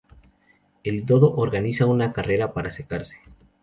El dodo organiza una carrera para secarse.